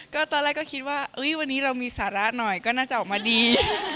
ก็ตอนแรกก็คิดว่าวันนี้เรามีสาระหน่อยก็น่าจะออกมาดี